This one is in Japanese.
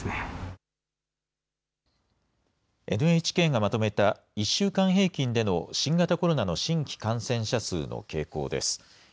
ＮＨＫがまとめた１週間平均での新型コロナの新規感染者数の傾向です。